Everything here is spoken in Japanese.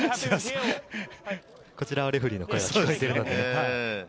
こちらはレフェリーの声が聞こえているのでね。